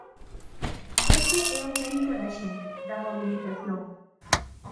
Ese é un mérito da xente, da mobilización.